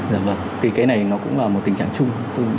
dạ vâng thì cái này nó cũng là một tình trạng chung